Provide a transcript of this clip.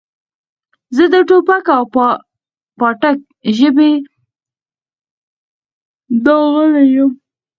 زه د ټوپک او پاټک ژبې داغلی یم.